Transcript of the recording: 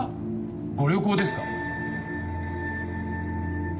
ご旅行ですか？